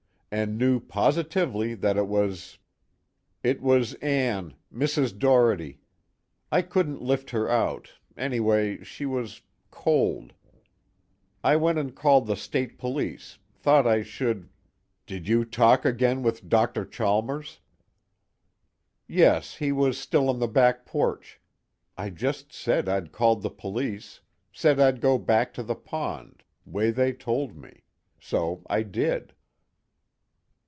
And knew positively that it was ?" "It was Ann Mrs. Doherty. I couldn't lift her out, anyway she was cold. I went and called the state police, thought I should " "Did you talk again with Dr. Chalmers?" "Yes, he was still on the back porch. I just said I'd called the police, said I'd go back to the pond, way they told me. So I did."